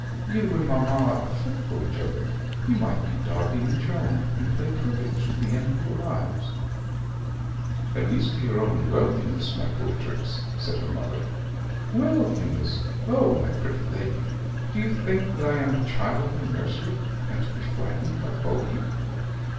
You and mamma are fit for each other. You might be Darby and Joan, and play cribbage to the end of your lives." "At least you own to your worldliness, my poor Trix," says her mother. "Worldliness. Oh, my pretty lady! Do you think that I am a child in the nursery, and to be frightened by Bogey!